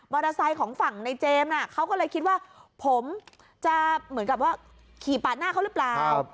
ของฝั่งในเจมส์เขาก็เลยคิดว่าผมจะเหมือนกับว่าขี่ปาดหน้าเขาหรือเปล่า